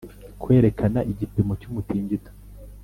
Kwerekana igipimo cy umutingito